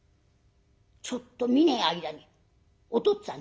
「ちょっと見ねえ間におとっつぁん